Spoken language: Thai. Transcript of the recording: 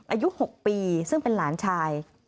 อายุ๖ปีซึ่งเป็นหลานชาย